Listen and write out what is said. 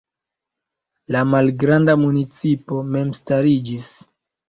La malgranda municipo memstariĝis.